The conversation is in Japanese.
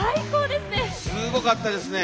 すごかったですね。